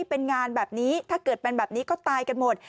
เป็นงานแบบนี้ถ้าเกิดเป็นแบบนี้ก็ตายกันหมด